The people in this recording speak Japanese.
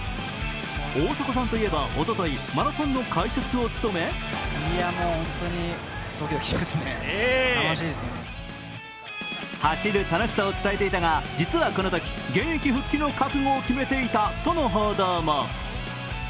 大迫さんといえば、おととい、マラソンの解説を務め走る楽しさを伝えていたが、実はこのとき現役復帰の覚悟を決めていたとの報道も。